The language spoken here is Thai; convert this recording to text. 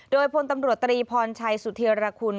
โดยพลตำรวจตรีพรชัยสุธีรคุณ